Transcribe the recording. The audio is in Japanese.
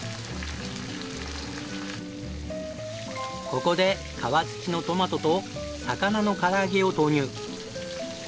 ここで皮付きのトマトと魚の唐揚げを投入。